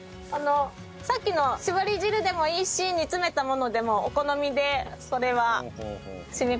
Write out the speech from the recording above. さっきの搾り汁でもいいし煮詰めたものでもお好みでそれは染み込ませてもらって。